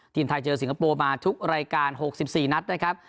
ทีมไทยเจอสิงคโปร์มาทุกรายการ๖๔นัดนะครับ